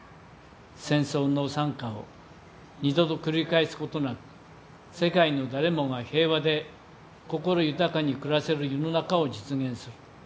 「戦争の惨禍を二度と繰り返すことなく世界の誰もが平和で心豊かに暮らせる世の中を実現する」。